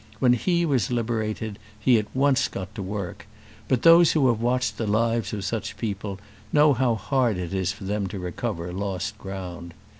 When he was liberated he at once got work; but those who have watched the lives of such people know how hard it is for them to recover lost ground.